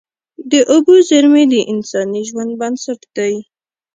د اوبو زیرمې د انساني ژوند بنسټ دي.